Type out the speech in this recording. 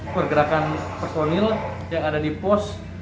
pergerakan personil yang ada di pos